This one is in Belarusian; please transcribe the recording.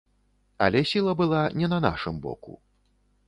Але сіла была не на нашым боку.